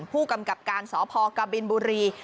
ผู้กำกับการสพกบินบุรี